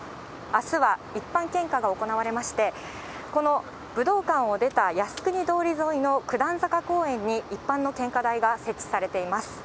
あすは一般献花が行われまして、この武道館を出た靖国通り沿いの九段坂公園に一般の献花台が設置されています。